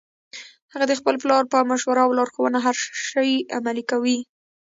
هغه د خپل پلار په مشوره او لارښوونه هر شي عمل کوي